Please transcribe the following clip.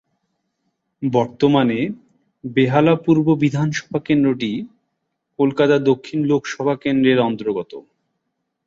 বর্তমানে বেহালা পূর্ব বিধানসভা কেন্দ্রটি কলকাতা দক্ষিণ লোকসভা কেন্দ্রের অন্তর্গত।